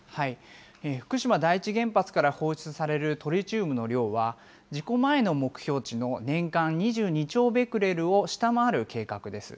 福島第一原発から放出されるトリチウムの量は、事故前の目標値の年間２２兆ベクレルを下回る計画です。